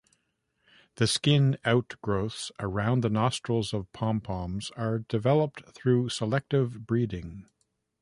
These skin outgrowths around the nostrils of pompoms are developed through selective breeding.